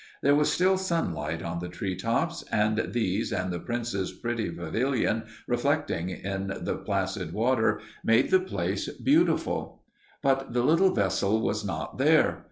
There was still sunlight on the tree tops, and these and the prince's pretty pavilion reflecting in the placid water made the place beautiful. But the little vessel was not there.